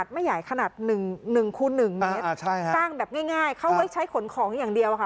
ไม่ใหญ่ขนาด๑คูณ๑เมตรสร้างแบบง่ายเขาไว้ใช้ขนของอย่างเดียวค่ะ